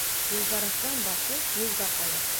Юлбарыҫтың башы юлда ҡалыр.